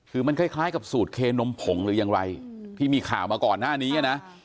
คือมันคล้ายกับสูตรเคนมผงหรือยังไรที่มีข่าวมาก่อนหน้านี้นะ